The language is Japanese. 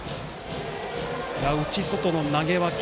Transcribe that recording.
内、外の投げ分け。